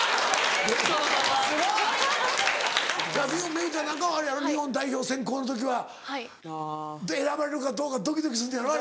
メグちゃんなんかはあれやろ日本代表選考の時は選ばれるかどうかドキドキすんのやろあれ。